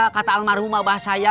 kata almarhum abah saya